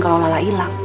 kalau lala hilang